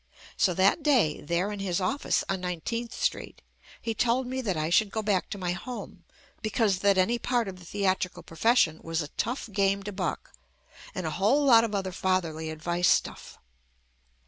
So that day, there in his office on 19th Street, he told me that I should go back to my home because that any part of the theatrical profession was a tough game to buck and a whole lot of other fatherly advice stuff.